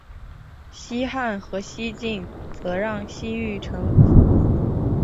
两汉和西晋则让西域臣服。